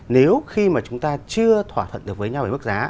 nếu khi mà chúng ta chưa thỏa thuận được với nhau về mức giá